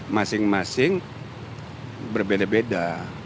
masing masing berbeda beda